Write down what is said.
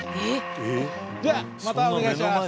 じゃあまたお願いします。